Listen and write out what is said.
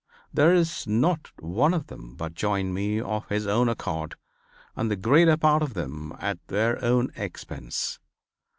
There is not one of them but joined me of his own accord and the greater part of them at their own expense.